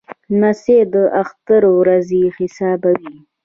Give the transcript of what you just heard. لمسی د اختر ورځې حسابوي.